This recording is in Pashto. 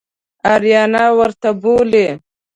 آریانا ورته بولي.